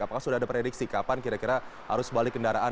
apakah sudah ada prediksi kapan kira kira arus balik kendaraan